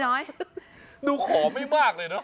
ดูขอไม่มากเลยเนอ